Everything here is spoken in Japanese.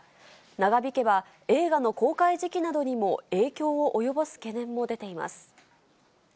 長引けば映画の公開時期などにも影響を及ぼす懸念も出ています。